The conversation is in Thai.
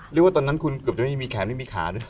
เรียกว่าตอนนั้นคุณเกือบจะไม่มีแขมไม่มีขาด้วย